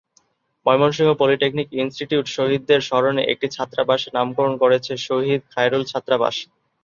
Mymensingh polytechnic institute শহীদের স্মরণে একটি ছাত্রাবাসের নামকরণ করে শহীদ খায়রুল ছাত্রাবাস।